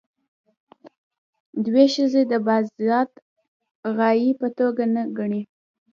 دوی ښځې د بالذات غایې په توګه نه ګڼي.